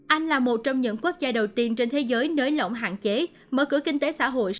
anh là một trong những quốc gia đầu tiên trên thế giới nới lỏng hạn chế mở cửa kinh tế xã hội